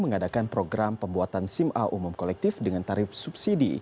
mengadakan program pembuatan sim a umum kolektif dengan tarif subsidi